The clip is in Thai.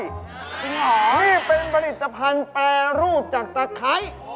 จริงเหรอนี่เป็นผลิตภัณฑ์แปรรูปจากตะไคร้